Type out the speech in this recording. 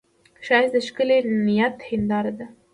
ښایست د ښکلي نیت هنداره ده